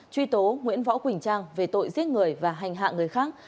truy tố nguyễn võ quỳnh trang về tội giết người và hành hạ người khác